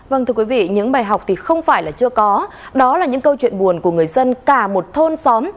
vâng thưa quý vị những bài học thì không phải là chưa có đó là những câu chuyện buồn của người dân cả một thôn xóm